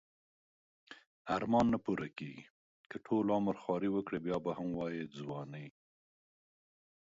ارمان نه پوره کیږی که ټول عمر خواری وکړی بیا به هم وایی ځوانی